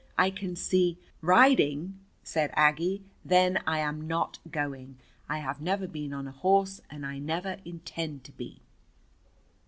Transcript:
I can see " "Riding!" said Aggie. "Then I'm not going. I have never been on a horse and I never intend to be."